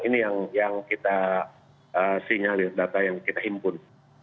ini yang kita sinyalir data yang kita himpun